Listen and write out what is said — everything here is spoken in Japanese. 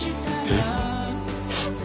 えっ？